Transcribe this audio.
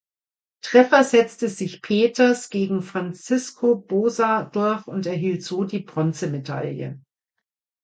Treffer setzte sich Peeters gegen Francisco Boza durch und erhielt so die Bronzemedaille.